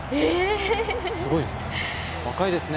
すごいですね。